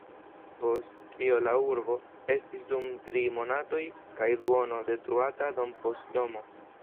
Post tio la urbo estis dum tri monatoj kaj duono detruata dom' post domo.